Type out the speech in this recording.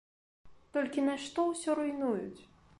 Толькі нашто ўсё руйнуюць.